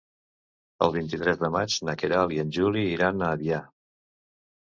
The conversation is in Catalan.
El vint-i-tres de maig na Queralt i en Juli iran a Avià.